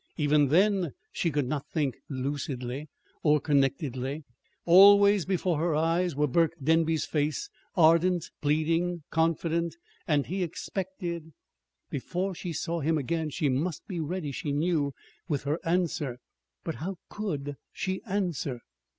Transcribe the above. Even then she could not think lucidly or connectedly. Always before her eyes was Burke Denby's face, ardent, pleading, confident. And he expected Before she saw him again she must be ready, she knew, with her answer. But how could she answer?